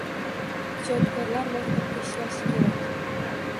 Ijodkorlar maktabda ishlashikerak.